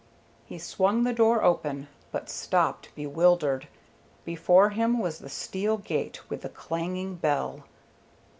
He swung the door open, but stopped bewildered. Before him was the steel gate with the clanging bell.